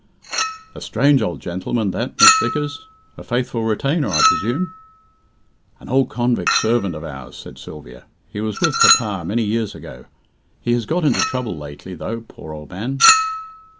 "A strange old gentleman, that, Miss Vickers. A faithful retainer, I presume?" "An old convict servant of ours," said Sylvia. "He was with papa many years ago. He has got into trouble lately, though, poor old man."